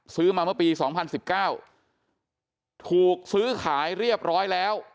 ซื้อมาเมื่อปี๒๐๑๙ถูกซื้อขายเรียบร้อยแล้ว